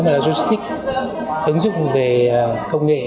mà là logistic ứng dụng về công nghệ